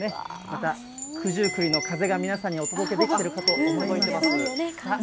また、九十九里の風が皆さんにお届けできているかと思います。